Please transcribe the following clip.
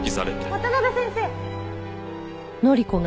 渡辺先生！